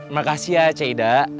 makasih ya ceida